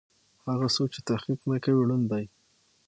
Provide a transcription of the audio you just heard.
هغه څوک چې تحقيق نه کوي ړوند دی.